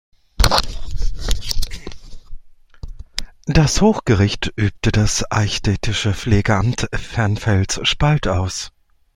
Das Hochgericht übte das eichstättische Pflegamt Wernfels-Spalt aus.